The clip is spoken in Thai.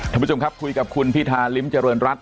ท่านผู้ชมครับคุยกับคุณพิธาริมเจริญรัฐ